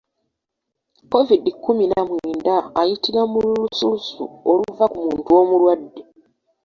Kovidi kkumi na mwenda ayitira mu lulusulusu oluva ku muntu omulwadde.